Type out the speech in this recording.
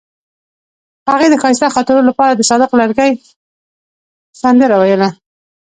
هغې د ښایسته خاطرو لپاره د صادق لرګی سندره ویله.